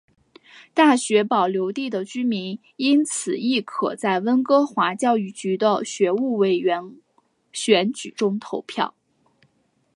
大学保留地的居民因此亦可在温哥华教育局的学务委员选举中投票。